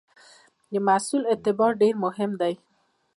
د محصول اعتبار ډېر مهم دی.